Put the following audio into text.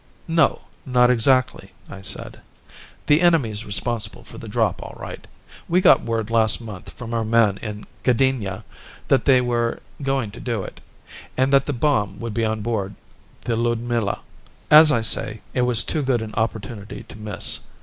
"No, not exactly," I said. "The enemy's responsible for the drop, all right. We got word last month from our man in Gdynia that they were going to do it, and that the bomb would be on board the Ludmilla. As I say, it was too good an opportunity to miss.